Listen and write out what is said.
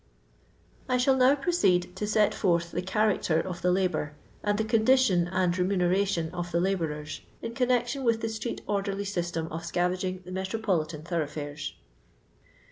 I shall now proceed to set forth the character of the labour, and the condition and remuneration of the labourers in connection with the street orderlj system of scavaging the metropolitan thorough&res.